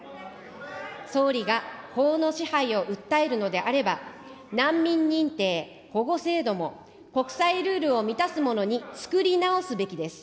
総理が法の支配を訴えるのであれば、難民認定・保護制度も国際ルールを満たすものに作り直すべきです。